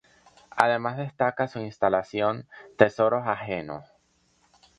Además destaca su instalación "Tesoros Ajenos".